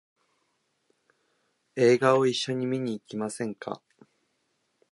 映画を一緒に見に行きませんか？